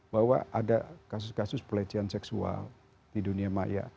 bahwa ada kasus kasus pelecehan seksual di dunia maya